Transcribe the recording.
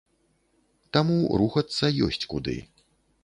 Таму рухацца ёсць куды.